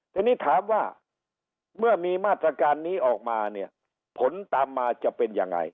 ทีนี้ถามว่าเมื่อมีมาตรการนี้ออกมาเนี่ยผลตามมาจะเป็นยังไง